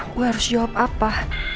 gue harus jawab apa